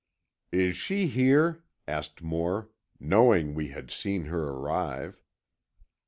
"Is she here?" asked Moore, knowing we had seen her arrive.